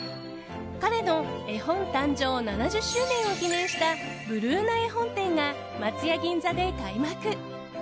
彼の絵本誕生７０周年を記念した「ブルーナ絵本展」が松屋銀座で開幕。